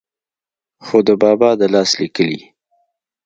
خو دَبابا دَلاس ليکلې